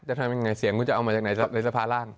จะทำยังไงเสียงคุณจะเอามาจากไหนหรือจะพาล่าง